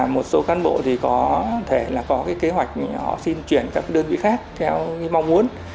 một số cán bộ có thể có kế hoạch xin chuyển các đơn vị khác theo mong muốn